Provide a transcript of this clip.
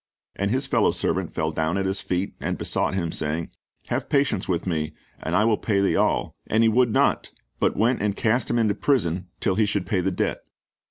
And his fellow servant fell down at his feet, and besought him, saying. Have patience with me, and I will pay thee all. And he would not; but went and cast him into prison, till he should pay the debt.